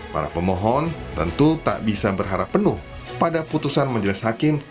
para pemohon tentu tak bisa berharap penuh pada putusan majelis hakim